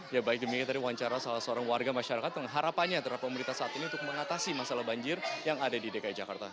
ya baik demikian tadi wawancara salah seorang warga masyarakat yang harapannya antara pemerintah saat ini untuk mengatasi masalah banjir yang ada di dki jakarta